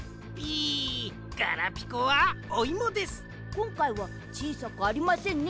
こんかいはちいさくありませんね？